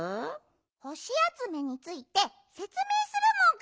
ほしあつめについてせつめいするモグ。